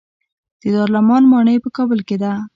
د دارالامان ماڼۍ په کابل کې ده